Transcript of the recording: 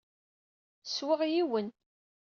Ssweɣ yiwen.